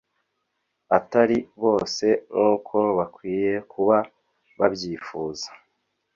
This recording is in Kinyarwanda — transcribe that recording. atari bose nk’uko bakwiye kuba babyifuza